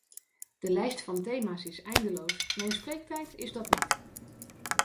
De lijst van thema's is eindeloos, mijn spreektijd is dat niet.